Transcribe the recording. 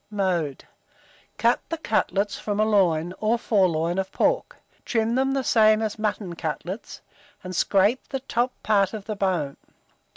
Mode. Cut the cutlets from a loin, or fore loin, of pork; trim them the same as mutton cutlets, and scrape the top part of the bone.